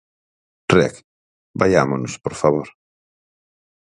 Reg, vaiámonos, por favor!